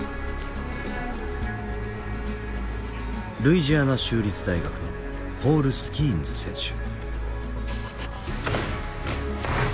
ルイジアナ州立大学のポール・スキーンズ選手。